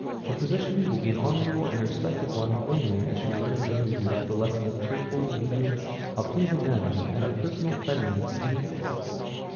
Her position will be an honorable and respected one only as she learns in her youth the lesson of cheerful obedience, of pleasing manners, and of personal cleanliness and neatness.